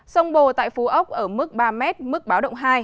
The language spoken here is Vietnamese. sông bồ tại phú ốc ở mức ba m mức báo động hai